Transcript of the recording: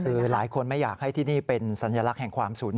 คือหลายคนไม่อยากให้ที่นี่เป็นสัญลักษณ์แห่งความสูญเสีย